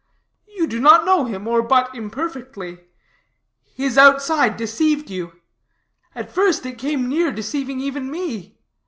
You do not know him, or but imperfectly. His outside deceived you; at first it came near deceiving even me.